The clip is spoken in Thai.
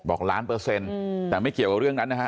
ล้านเปอร์เซ็นต์แต่ไม่เกี่ยวกับเรื่องนั้นนะฮะ